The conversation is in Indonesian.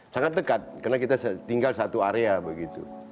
sangat dekat karena kita tinggal satu area begitu